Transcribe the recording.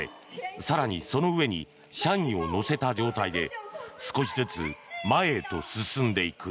更にその上に社員を乗せた状態で少しずつ前へと進んでいく。